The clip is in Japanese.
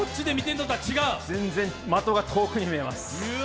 全然的が遠く見えます。